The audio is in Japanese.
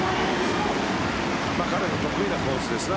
彼の得意なコースですね。